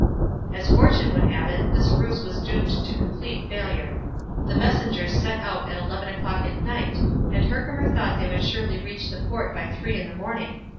As fortune would have it, this ruse was doomed to complete failure. The messengers set out at eleven o'clock at night, and Herkimer thought they would surely reach the fort by three in the morning.